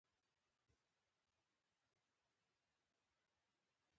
د علم د زده کړي له پاره د کور سامان خرڅ کړئ!